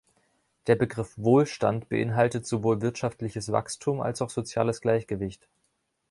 Der Begriff Wohlstand beinhaltet sowohl wirtschaftliches Wachstum als auch soziales Gleichgewicht.